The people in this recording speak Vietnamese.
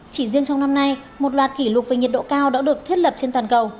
chỉ riêng trong năm nay một loạt kỷ lục về nhiệt độ cao đã được thiết lập trên toàn cầu